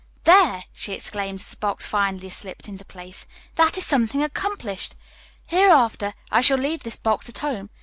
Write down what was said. "There!" she exclaimed as the box finally slipped into place, "that is something accomplished. Hereafter, I shall leave this box at home.